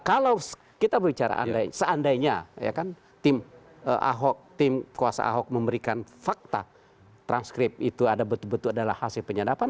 kalau kita berbicara seandainya ya kan tim ahok tim kuasa ahok memberikan fakta transkrip itu ada betul betul adalah hasil penyadapan